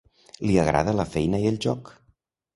Li agrada la feina i el joc.